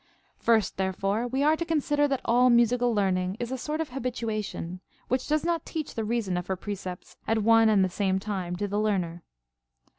First therefore we are to consider that all musical learn ing is a sort of habituation, which does not teach the reason of her precepts at one and the same time to the learner.